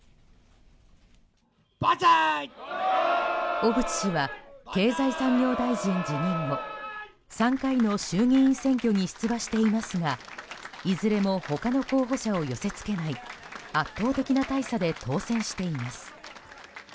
小渕氏は経済産業大臣辞任後３回の衆議院選挙に出馬していますがいずれも他の候補者を寄せ付けない圧倒的な大差で当選しています。